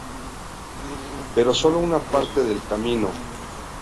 Pero sólo una parte del camino.